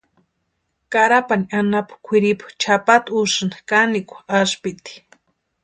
Carapani anapu kwʼiripu chʼapata úsïnti kanikwa aspiti.